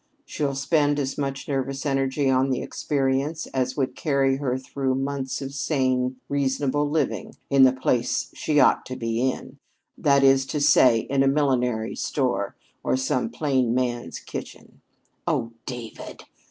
She'll spend as much nervous energy on the experience as would carry her through months of sane, reasonable living in the place she ought to be in that is to say, in a millinery store or some plain man's kitchen." "Oh, David!"